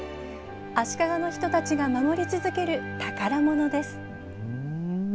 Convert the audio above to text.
足利の人たちが守り続ける宝物です。